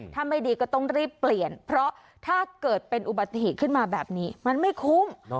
ถ้าไม่ดีก็ต้องรีบเปลี่ยนเพราะถ้าเกิดเป็นอุบัติเหตุขึ้นมาแบบนี้มันไม่คุ้ม